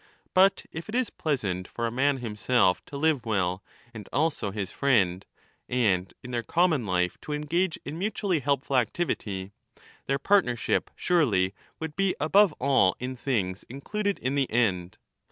But if it is pleasant for a man himself to live well and also his friend, and in their common life to engage in mutually helpful activity, their partnership surely would be above all in things included in the end.